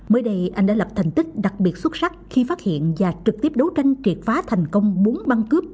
mới đây anh đã lập thành tích đặc biệt xuất sắc khi phát hiện và trực tiếp đấu tranh triệt phá thành công bốn băng cướp